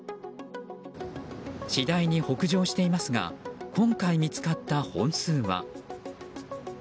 次第に北上していますが今回、見つかった本数は。